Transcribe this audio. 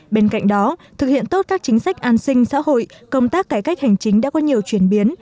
bên cạnh đó thực hiện tốt các chính sách an sinh xã hội công tác cải cách hành chính đã có nhiều chuyển biến